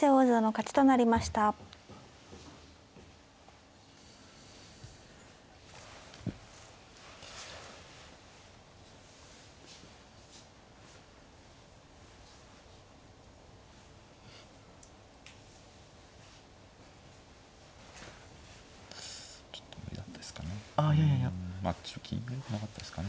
ちょっと金がよくなかったですかね。